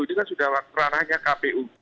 ini kan sudah teranahnya kpu